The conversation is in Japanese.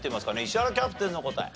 石原キャプテンの答え。